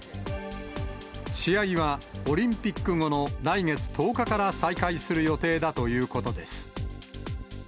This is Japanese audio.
試合はオリンピック後の来月１０日から再開する予定だということです。